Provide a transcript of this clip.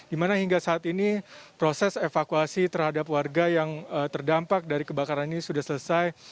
dimana hingga saat ini proses evakuasi terhadap warga yang terdampak dari kebakaran ini sudah selesai